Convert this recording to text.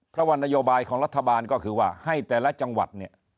พระวันโยบายของรัฐบาลก็คือว่าให้แต่ละจังหวัด